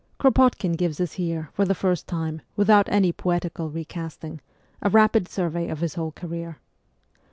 Kropotkin gives us here, for the first time, with out any poetical recasting, a rapid survey of his whole career.